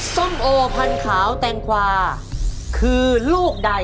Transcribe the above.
ส้มโอพันขาวแตงกวาคือลูกใด